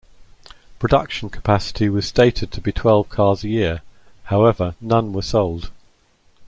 Production capacity was stated to be twelve cars a year however, none were sold.